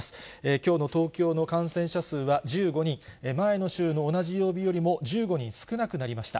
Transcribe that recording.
きょうの東京の感染者数は１５人、前の週の同じ曜日よりも１５人少なくなりました。